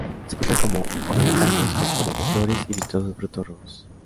Se cultivan como ornamentales por su follaje, flores, y vistosos frutos rojos.